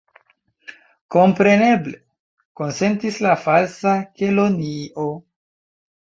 "Kompreneble," konsentis la Falsa Kelonio.